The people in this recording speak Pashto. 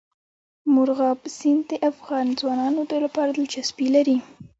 مورغاب سیند د افغان ځوانانو لپاره دلچسپي لري.